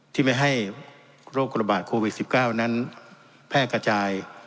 ที่ไม่ให้โรคระบาดโควิด๑๙นั้นแพร่กระจาย